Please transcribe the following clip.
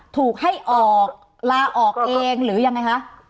ถูกให้ออกลาออกเองหรือยังไงคะ